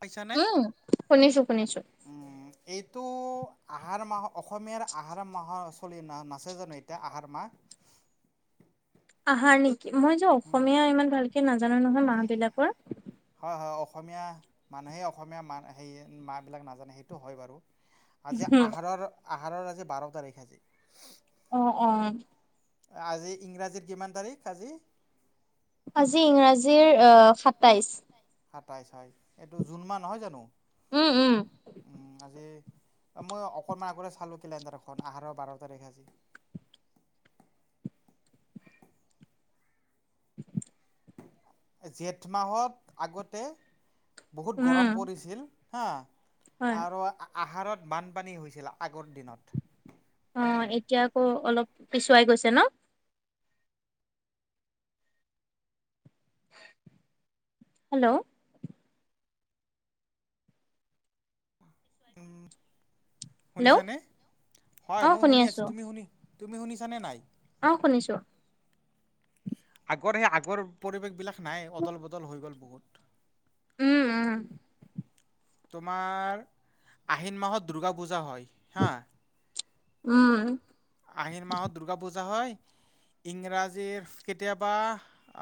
পাইছানে? উম, শুনিছো শুনিছো। উম, এইটো আহাৰ মাহৰ অসমীয়াৰ আহাৰ মাহৰ চলি ন নাচে জানো এতিয়া আহাৰ মাহ। আহাৰ নেকি মই যে অসমীয়া ইমান ভালকে নাজানো নহয় মাহ বিলাকৰ। হয় হয় অসমীয়া মানুহে অসমীয়া মা হে মাহ বিলাক নাজানে সেইটো হয় বাৰু। আজি আহাৰৰ, আহাৰৰ আজি বাৰ তাৰিখ আজি। অ', অ'। আজি ইংৰাজীৰ কিমান তাৰিখ আজি? আজি ইংৰাজীৰ সাতাইছ। সাতাইছয়, এইটো জুন মাহ নহয় জানো? উম উম আজি মই অকনমান আগতে চালো কেলেণ্ডাৰখন আহাৰৰ বাৰ তাৰিখ আজি। [inaudible] জেঠ মাহত আগতে বহুত উম গৰম পৰিছিল হা হয় আৰু আহাৰত বানপানী হৈছিল আগৰ দিনত উম অ', এতিয়া আকৌ অলপ পিছুৱাই গৈছে ন'। হেল্ল'। উ হেল্ল' শুনিছানে, হয় মই শুনি আছো, তুমি শুনি তুমি শুনিছানে নাই? অ', শুনিছো। আগৰ সেই আগৰ পৰিৱেশবিলাক নাই, অদল বদল হৈ গ'ল বহুত। উম উম। তোমাৰ আহিন মাহত দুৰ্গা পূজা হয়, হা উম আহিন মাহত দুৰ্গা পূজা হয়। [inaudible] ইংৰাজীৰ কেতিয়াবা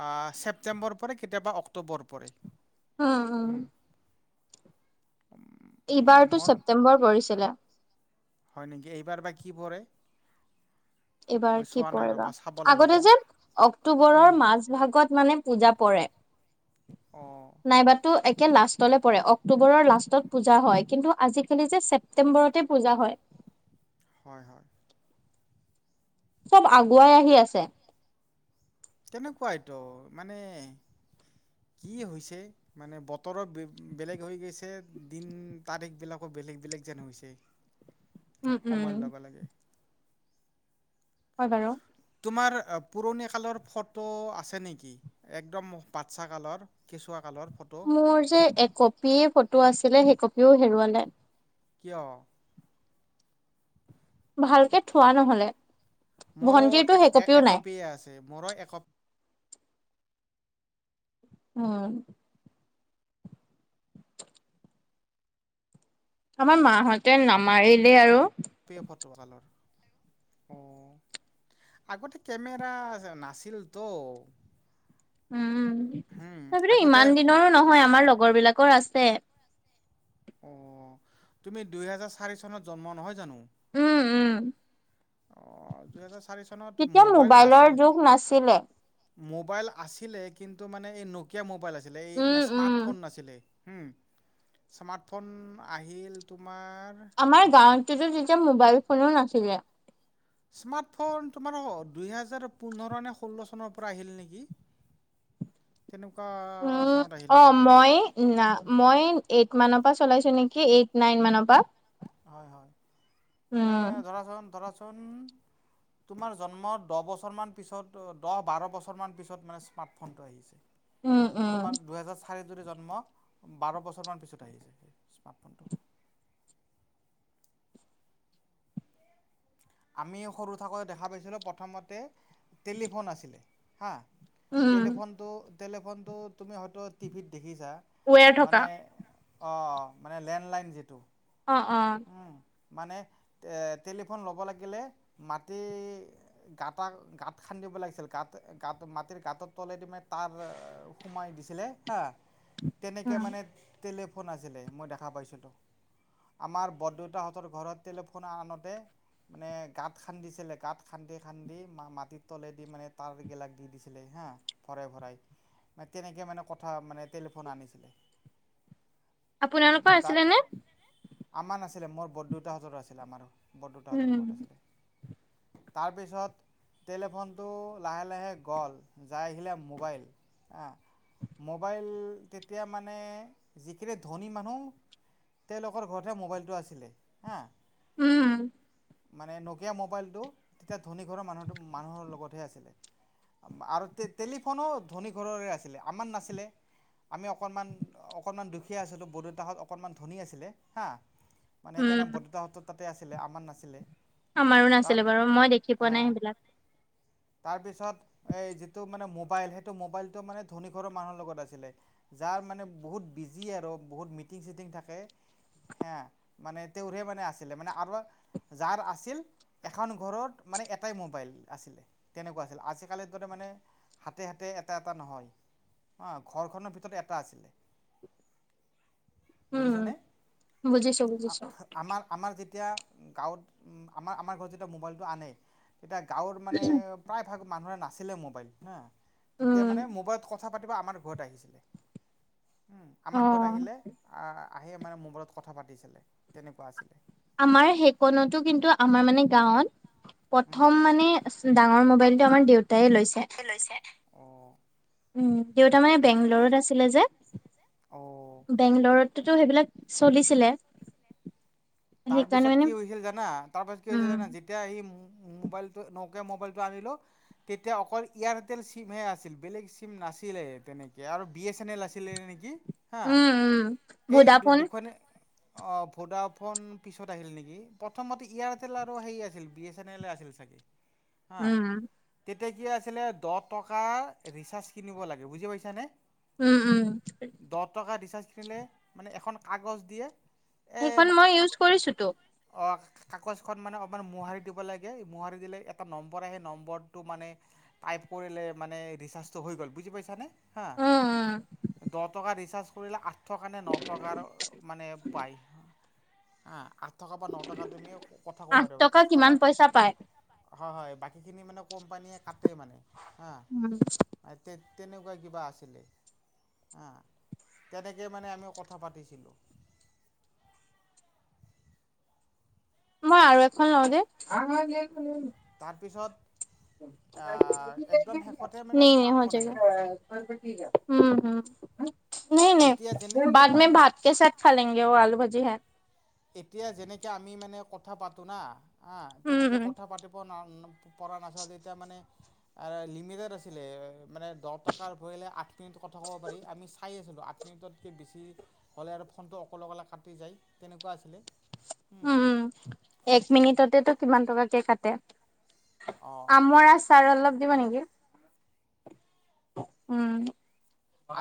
আ ছেপ্টেম্বৰ পৰে, কেতিয়াবা অক্টোবৰ পৰে। উম উম এইবাৰতটো মোৰ ছেপ্টেম্বৰ পৰিছিলে। হয় নেকি, এইবাৰ বা কি পৰে? এইবাৰ মই কি চোৱা নাই পৰে বা, ৰ'বা চাব লাগিব আগতে যে অক্টোবৰৰ মাজ ভাগত মানে পূজা পৰে, অঁ নাইবাটো লাষ্টলৈ পৰে অক্টোবৰৰ লাষ্টত পূজা হয়, কিন্তু আজিকালি যে ছেপটেম্বৰতে পূজা হয়। [inaudible] হয় হয়। চব আগুৱাই আহি আছে। তেনেকুৱাইতো, মানে কি হৈছে মানে বতৰৰ বেলেগ হৈ গৈছে, দিন তাৰিখ বিলাকৰ বেলেগ বেলেগ যেন হৈছে, উম উম সময়ৰ লগে লগে হয় বাৰু, তোমাৰ পুৰণি কালৰ ফটো আছে নেকি একদম বাচ্ছা কালৰ কেঁচুৱা কালৰ ফটো মোৰ যে একপিয় ফটো আছিলে সেই কপিও হেৰুৱালে, কিয়? ভালকে থোৱা নহলে, মোৰো ভন্টিৰতো এক সেইকপিও নাই কপিয়ে আছে মোৰো একপি উম আমাৰ মাহঁতে নামাৰিলে আৰু, ফটকালৰ, অ আগতে কেমেৰা নাছিলতো, উম হুম, তথাপিতো আগতে ইমান দিনৰো নহয় আমাৰ লগৰ বিলাকৰ আছে, অ তুমি দুইহেজাৰ চাৰি চনত জন্ম নহয় জানো? উম উম অজটা তেতিয়া মোবাইলৰ যুগ নাছিলে, মোবাইল আছিলে কিন্তু মানে এই নকিয়া মোবাইল আছিলে এই উম উম স্মাৰ্টফোন নাছিলে। উ স্মাৰ্ট ফোন আহিল। তোমাৰ আমাৰ গাঁৱততো তেতিয়া মোবাইল ফোনো নাছিলে। স্মাৰ্টফোন তোমাৰ দুই হেজাৰ পোন্ধৰ নে ষোল্ল চনৰ পৰা আহিল নেকি? [unintelligible] তেনেকুৱা উম চনত আহিলে অ চাগে মই ন মই এইট মানৰ পৰা চলাইসো নেকি এইট নাইন মানৰ পৰা। হয় হয় মানে উম, ধৰাচোন ধৰাচোন- তোমাৰ জন্ম দ বছ পিছত দহ বাৰ বছৰ পিছত মানে স্মাৰ্ট ফোনটো আহিছে উম, উম, তোমাৰ দুহেজাৰ চাৰিট যদি জন্ম বাৰ বছৰমান পিছত আহিছে সেই স্মাৰ্টফোনটো আমি সৰু থাকোটে দেখা পাইছিলোঁ প্ৰথমতে টেলিফোন আছিলে হা উম, টেলিফোনটো টেলিফোনটো তুমি হয়টো টিভিত দেখিছ চা ৱেৰ থকা মানে অঁ মানে লেণ্ডলাইন যিটো অ অ মানে টেলিফোন ল'ব লাগিলে মাটি গতা গাত খান্দি ব লাগিছিল গ মাটিৰ গাঁতত তলে দি মেনে তাৰ সোমাই দিছিলে হা তেনেকে উম। মানে টলেিফোন আছিলে মই দেখা পাইছিলো আমাৰ বৰদেউতাহঁতৰ ঘৰত টেলিফোন আনতে মানে গাঁত খান্দিছিলে গাঁত খান্দি খান্দি মা মাটিত তলে দি মানে তাঁৰ গিলাক দি দিছিলে হা ভৰাই ভৰাই তেনেকে মানে কথা মানে টেলিফোন আনিছিলে। আপোনালোকৰ তাৰ আছিলে নে? আমাৰ নাছিলে মোৰ বৰদেউতাহঁতৰো আছিলে, আমাৰ নহয় বৰদেউতাহঁতৰ উম, ঘৰত আছিলে। তাৰপিছত টেলিফোনটো লাহে লাহে গ'ল যাই আহিলে মোবাইল, হা মোবাইল তেতিয়া মানে যিখিনি ধনী মানুহ তেওঁলোকৰ ঘৰত হে মোবাইলটো আছিলে হা উম মানে নকিয়া মোবাইলটো তেতিয়া ধনী ঘৰৰ মানুহ মানুহৰ লগতহে আছিলে আৰু টেলি টেলিফোনো ধনী ঘৰৰে আছিলে আমাৰ নাছিলে আমি অকণমান অকণমান দুখীয়া আছিলো বৰদেউতাহঁত অকণমান ধনী আছিলে। হা, মানে উম, সেইকাৰণে বৰদেউতাহঁতৰ তাতে আছিলে আমাৰ নাছিলে। আমাৰো নাছিলো বাৰু মই দেখি পোৱা নাই সেইবিলাক। তাৰ পিছত এই যিটো মানে মোবাইল সেইটো মোবাইলটো মানে ধনীঘৰৰ মানুহৰ লগত আছিলে, যাৰ মানে বহুত বিজি আৰু বহুত মিটিং চিটিং থাকে। হেয়া মানে তেওঁৰহে মানে আছিলে মানে আৰু যাৰ আছিল এখন ঘৰত মানে এটাই মোবাইল আছিলে তেনেকুৱা আছিল আজিকালিৰ দৰে মানে হাতে হাতে এটা এটা নহয়, হা ঘৰখনৰ ভিতৰত এটা আছিলে। [inaudible] উম, বুজিছানে, বুজিছো বুজিছো আমাৰ আমাৰ যে যেতিয়া গাঁৱত আমাৰ আমাৰ ঘৰত যেতিয়া মোবাইলটো আনে তেতিয়া গাঁৱত মানে প্ৰায় ভাগ মানুহে নাছিলে মোবাইলটো হা উম, তেতিয়া মানে মোবাইলত কথা পাতিব আমাৰ ঘৰত আহিছিলে। উম আমাৰ ঘৰত অ'। আহিলে আহ আহি মানে মোবাইলত কথা পাতিছিলে, তেনেকুৱা আছিলে। আমাৰ সেইকণতো কিন্তু আমাৰ মানে গাঁৱত প্ৰথম মানে ডাঙৰ মবাইলটো আমাৰ দেউ [inaudible] লৈছে। উম দেউতা মানে বেংলৰত আছিলে যে, অঁ বেংলৰত ত' সেইবিলাক চলিছিলে। তাৰ সেইকাৰণে পিছত মানে কি হৈছিল জানা তাৰ পিছত কি হৈছিল উম, জানা যেতিয়া আহি মোবাইলটো নকিয়া মোবাইলটো আনিলো তেতিয়া অকল এয়াৰটেল চিম হে আছিল বেলেগ চিম নাছিল। আছিলে তেনেকে আৰু বি এছ এন এল আছিলে নেকি? হা, উম, উম, এই ভোডাফোন দুখনে অ ভোডা ফোন পিছত আহিল নেকি? প্ৰথমতে এয়াৰটেল আৰু সেই আছিল বি এছ এন এল আছিল চাগে! উম। এতিয়া কি আছিলে দহ টকা ৰিচাৰ্জ কিনিব লাগে বুজি পাইছানে। উম উম দহ টকা ৰিচাৰ্জ মানে এখন কাগজ দিয়ে সেইখন মই ইউজ কৰিছোতো অঁ কাগজখন মানে অকণমান মোহাৰি দিব লাগে মোহাৰি দিলে এটা নম্বৰ আহ সেই নম্বৰটো মানে টাইপ কৰিলে মানে ৰিচাৰ্জটো হৈ গ'ল বুজি পাইছা নে? হা, উম, উম, দহ টকা ৰিচাৰ্জ কৰিলে আঠ থকা নে নটকাৰ মানে পায়, হা কা বা ন টকা তুমি কথা ক'বা আঠ ৰবা এক টকা, কিমান পইচা পায় হয় হয়। বাকীখিনি মানে কোম্পানীয়ে কাটে মানে, হা। উম, তেনেকুৱা কিবা আছিলে। হা তেনেকে মানে আমি কথা পাতিছিলোঁ। মই আৰু এখন লওঁ দেই [unintelligible] তাৰপিছত একদম শেষতে [unintelligible] মানে নই স্মাৰ্টফোন আহিলে নই এতিয়া যেনে বাদমে ভাত কে চাথ খা লেংগে আলু ভাজি হে। এতিয়া যেনেকে আমি মানে ক কথা পাতো না হা উম, তেনেকৈ উম, কথা পাতিব ন পৰা নাচা এতিয়া মানে লিমিটড আছিলে মানে দহ টকাৰ ভৰিলে আঠ মিনিট কথা কব পাৰি চাই আছিলে আৰু আঠ মিনিটতকৈ বেছি হ'লে আৰু ফোনটো অকলে অকলে কাটি যায় তেনেকুৱা আছিলে উম এক মিনিটতেতো কিমান টকাকে কাটে অঁ আমৰ আচাৰ অলপ দিব নেকি উম।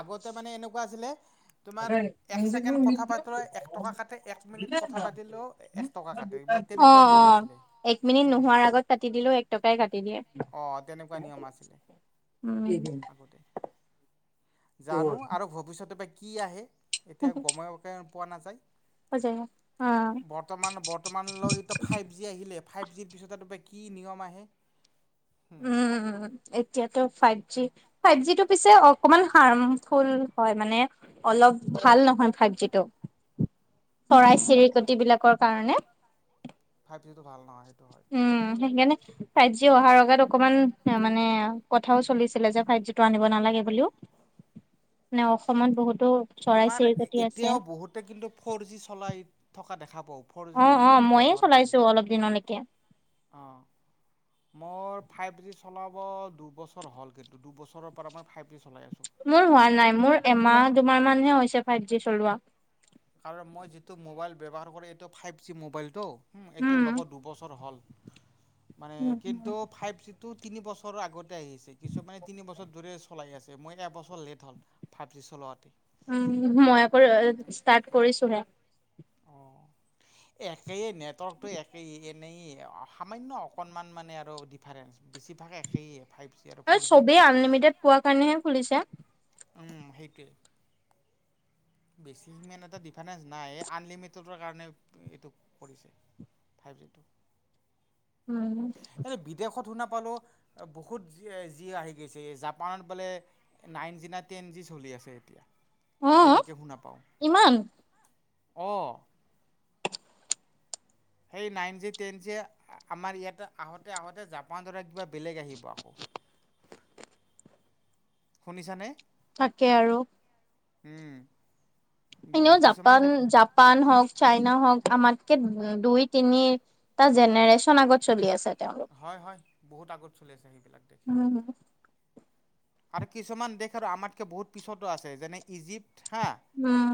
আগতে মানে এনেকুৱা আছিলে [unintelligible] তোমাৰ এক ছেকেণ্ড কথা পাতিলেও এক টকা কাটে এক মিনিট কথা পাতিলেও এক টকা কাটে বা অ তেনেকুৱা অ নিয়ম আছিলে এক মিনিট নোহোৱাৰ আগত কাটি দিলেও এক টকাই কাটি দিয়ে। অ তেনেকুৱা নিয়ম আছিলে, উম, আগতে। জানো আৰু ভৱিষ্যতে বা কি আহে, এতিয়া গমকে পোৱা নাযায়। সজায় অ', বৰ্তমান বৰ্তমানলৈতো ফাইভ জি আহিলে ফাইভ জিৰ পিছত ত পৰা কি নিয়ম আহে উম উম এতিয়াতো ফাইভ জি ফাইভ জি টো পিছে অকমান হাৰ্মফুল হয় মানে অলপ ভাল নহয় ফাইজিটো চৰাই উম চিৰিকটি বিলাকৰ কাৰণে ফাইভ জিটো ভাল নহয় সেইটো হয় উম, সেইকাৰণে ফাইভ জি অহাৰ লগগত অকমান মানে কথাও চলিছিলে যে ফাইভ জি টো আনিব নালাগে বুলিও নে অসমত বহুত তোমাৰ এতিয়াও বহুতে কিন্তু ফৰ জি চলাই থকা দেখা পাও ফ'ৰ জি অ', অ', ময়ে ব্যৱহাৰ কৰে চলাইছো অলপ দিনলৈকে। অ মোৰ ফাইভ জি চলাব দুবছৰ হ'ল কিন্তু দুবছৰৰ পৰা মই ফাইভ জি চলাই আছোঁ। মোৰ হোৱা নাই মোৰ এমাহ দুমাহ মানহে হৈছে ফাইভ জি চলোৱা কাৰ মই যিটো মোবাইল ব্যৱহাৰ কৰো এইটো ফাইভ জি মবাইলটো এইটো উম। ল'ব দুবছৰ হ'ল মানে কিন্তু ফাইভ চি টো তিনি বছৰৰ আগতে আহিছে কিছুমানে তিনি বছৰ দৰে চলাই আছে যে মই এবছৰ লেট হ'ল ফাইভ জি চলোৱাতে উম, মই আকৌ ষ্টাৰ্ট কৰিছোহে অ একেইে নেটৱৰ্কটো একেই এনেইে সামান্য অকণমান মানে আৰু ডিফাৰেন্ঞ্চ বেছিভাগ একেই ফাইভ জি আৰু ফ'ৰ জি চবেই আনলিমিটেড পোৱা কাৰণেহে খুলিছে অ সেইটোৱ বেছি ইমান এটা ডিফাৰেঞ্চ নাই আনলিমিটেডৰ কাৰণে এইটো কৰিছে ফাইভ জিটু উম পালো বহুত যি আহি গৈছে জাপানত বোলে নাইন জি না টেন জি চলি তেনেকে শুনা পাওঁ ইমান অ সেই নাইন যে টন যে আমাৰ ইয়াতে আহোতে আহোতে জাপান দৰা কিবা বেলেগ আহিব আকৌ [unintelligible] শুনিছানে তাকে আৰু উম এনেও কিছুমান জাপান দেখো জাপান হওক চাইনা হওক আমাৰ দুই তিনিটা জেনেৰেচন আগত চলি আছে তেওঁলোক। হয় হয় বহুত আগত চলি আছে সেইবিলাক দেশ উম, আৰু কিছুমান দেশ আৰু আমাতকে বহুত পিছতো আছে যেনে ইজিপ্ত উম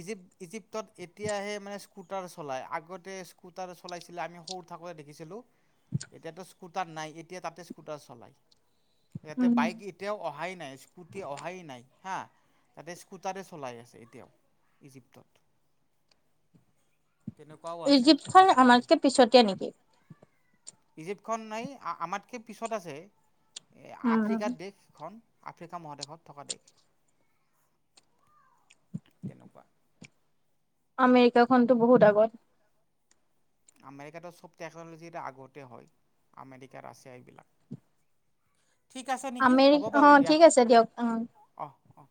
ইজিপ ইজিপ্তত এতিয়াহে মানে স্কুটাৰ চলাই আগতে স্কুটাৰ চলাইছিলে আমি সৰু থাকো দেখিছিলো এতিয়াতো স্কুটাৰ নাই এতিয়া তাতে স্কুটাৰ চলাই, ইয়াতে উম, বাইক এতিয়াও অহাই নাই স্কুটি অহাই নাই হা, তাতে স্কুটাৰে চলাই আছে এতিয়াও ইজিপ্তত [inaudible] তেনেকুৱাও আছে আকৌ ইজিপ্তখন কিছুমান দেশ আমাতকে পিছতে নেকি? ইজিপ্তখন আমাতকে পিছত আছে। আফ্ৰিকাৰ উম, দেশখন আফ্ৰিকা মহাদেশত থকা দেশ তেনেকুৱা আমেৰিকাখনতো বহুত আগত আমেৰিকাটো চব টেকন'লজি আগতে হয় আমেৰিকা ৰাছিয়া এইবিলাক ঠিক আছে নেকি আমেৰি হ'ব বাৰু অ দিয়া ঠিক আছে দিয়ক অ অহ অহ